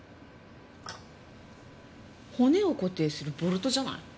骨を固定するボルトじゃない？